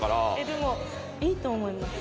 でもいいと思います